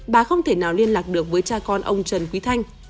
bà không thể nào liên lạc được với cha con ông trần quý thanh